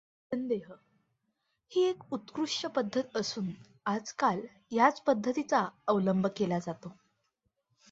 निःसंदेह ही एक उत्कृष्ठ पद्धत असून आजकाल ह्याच पद्धतीचा अवलंब केला जातो.